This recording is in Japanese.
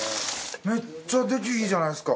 めっちゃ出来いいじゃないですか。